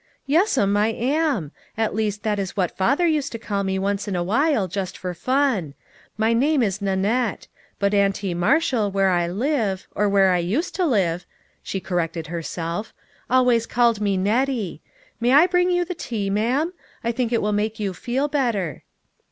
" Yes'm, I am. At least that is what father used to call me once in a while, just for fun. My name is Nanette ; but Auntie Marshall where I live, or where I used to live" she corrected herself, " always called me Nettie. May I bring you the tea, ma'am ? I think it will make you feel better."